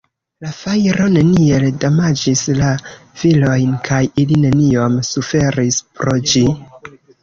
La fajro neniel damaĝis la virojn kaj ili neniom suferis pro ĝi.